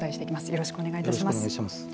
よろしくお願いします。